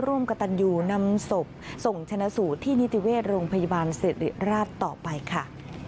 ร่วมกับตันยูนำศพส่งชนะสูตรที่นิติเวชโรงพยาบาลสิริราชต่อไปค่ะ